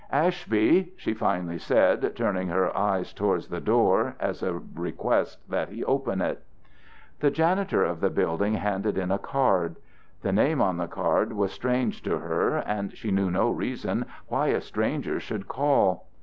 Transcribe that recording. "Ashby," she finally said, turning her eyes toward the door, as a request that he open it. The janitor of the building handed in a card. The name on the card was strange to her, and she knew no reason why a stranger should call.